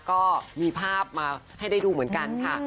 ก็มีภาพมาให้ได้ดูเหมือนกันค่ะ